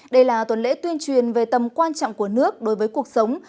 đây là tuần lễ tuyên truyền về tầm quan trọng của nước đối với cuộc sống